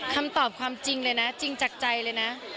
คำตอบความจริงเลยนะจริงจากใจเลยนะ